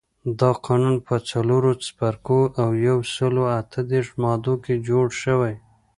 دا قانون په څلورو څپرکو او یو سلو اته دیرش مادو کې جوړ شوی.